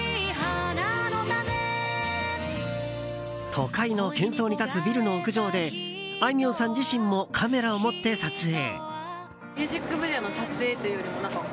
都会の喧騒に立つビルの屋上であいみょんさん自身もカメラを持って撮影。